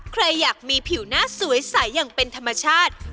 ใครอยากมีผิวหน้าสวยใสอย่างเป็นธรรมชาติ